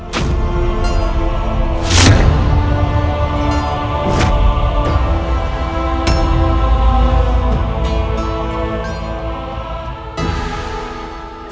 mereka juga merasakan hal yang sama